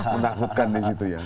menakutkan di situ ya